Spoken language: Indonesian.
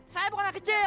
saya bukan anak kecil